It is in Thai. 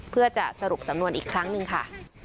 เพื่อจะสรุปสำนวนอีกครั้งหนึ่งค่ะ